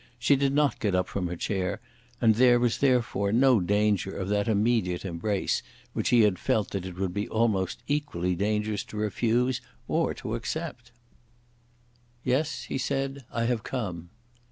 She did not get up from her chair, and there was therefore no danger of that immediate embrace which he had felt that it would be almost equally dangerous to refuse or to accept. "Yes," he said, "I have come."